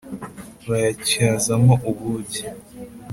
bayatyazamo ubugi